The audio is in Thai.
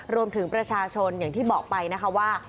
รวมถึงประชาชนอย่างที่บอกไปนะคะว่า